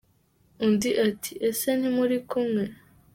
Undi ati Ese ntimuri kumwe ?